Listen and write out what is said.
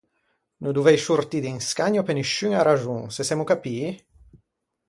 No dovei sciortî d’in scagno pe nisciuña raxon, se semmo capii?